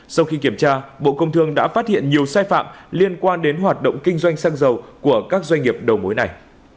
sau khi kiểm tra bộ công thương đã phát hiện nhiều sai phạm liên quan đến hoạt động kinh doanh xăng dầu của các doanh nghiệp đầu mối này